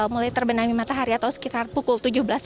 mulai terbenami matahari atau sekitar pukul tujuh belas tiga puluh